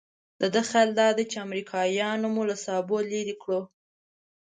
د ده خیال دادی چې امریکایانو مو له سابو لرې کړو.